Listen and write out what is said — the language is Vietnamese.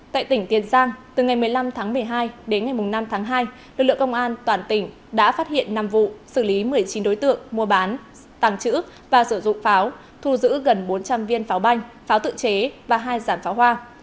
tại tỉnh tiền giang từ ngày một mươi năm tháng một mươi hai đến ngày năm tháng hai lực lượng công an toàn tỉnh đã phát hiện năm vụ xử lý một mươi chín đối tượng mua bán tàng trữ và sử dụng pháo thu giữ gần bốn trăm linh viên pháo banh pháo tự chế và hai giảm pháo hoa